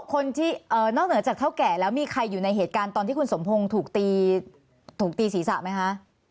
คนที่นอกเหนือจากเท่าแก่แล้วมีใครอยู่ในเหตุการณ์ตอนที่คุณสมพงศ์ถูกตีถูกตีศีรษะไหมคะ